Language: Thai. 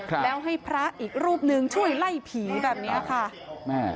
แล้วให้พระอีกรูปหนึ่งช่วยไล่ผีแบบเนี้ยค่ะแม่